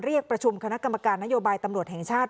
เรียกประชุมคณะกรรมการนโยบายตำรวจแห่งชาติ